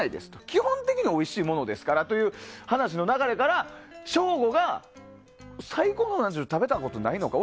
基本的においしいものですからという話の流れから省吾が最高なうな重を食べたことがないのか？